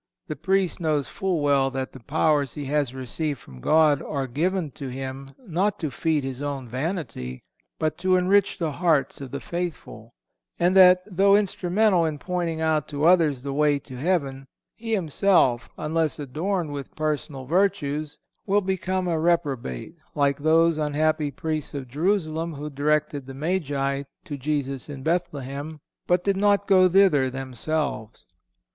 The Priest knows full well that the powers he has received from God are given to him not to feed his own vanity, but to enrich the hearts of the faithful; and that, though instrumental in pointing out to others the way to heaven, he himself, unless adorned with personal virtues, will become a reprobate, like those unhappy Priests of Jerusalem who directed the Magi to Jesus in Bethlehem, but did not go thither themselves.